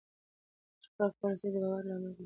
شفاف پالیسي د باور لامل ګرځي.